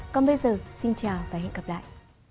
còn bây giờ xin chào và hẹn gặp lại